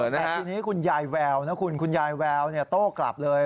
แต่ทีนี้คุณยายแววนะคุณคุณยายแววโต้กลับเลย